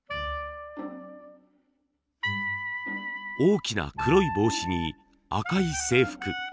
大きな黒い帽子に赤い制服。